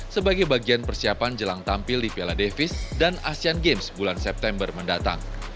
sebagai bagian persiapan jelang tampil di piala davis dan asean games bulan september mendatang